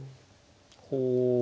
ほう。